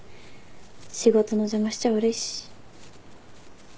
仕事の邪魔しちゃ悪いし。